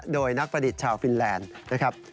โดยนักประดิษฐ์ชาวฟินแลนด์นะครับ